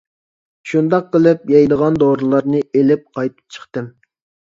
شۇنداق قىلىپ يەيدىغان دورىلارنى ئېلىپ قايتىپ چىقتىم.